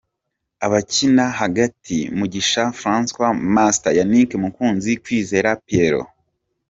Abakina hagati: Mugisha Francois "Master", Yannick Mukunzi, Kwizera Pierrot.